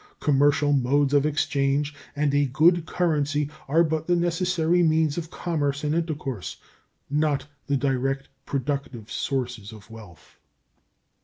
Commercial modes of exchange and a good currency are but the necessary means of commerce and intercourse, not the direct productive sources of wealth.